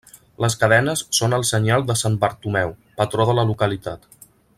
Les cadenes són el senyal de sant Bartomeu, patró de la localitat.